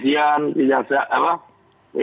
kemudian kerjasama dengan kepolisian